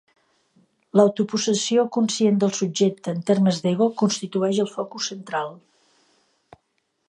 L'autopossessió conscient del subjecte en termes d'ego constitueix el focus central.